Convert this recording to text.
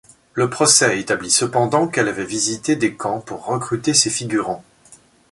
Le procès établit cependant qu'elle avait visité des camps pour recruter ses figurants.